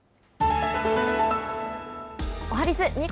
おはＢｉｚ。